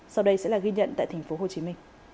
sau đây sẽ là ghi nhận tại tp hcm